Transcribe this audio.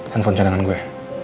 handphone cadangan gue